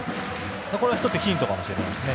これは１つヒントかもしれないですね。